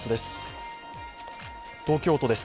東京都です。